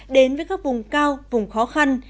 đến với các vùng cao vùng khó khăn